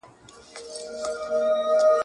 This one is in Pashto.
یوازي تقریظونه لیکل او شاباس ویل رواج لري `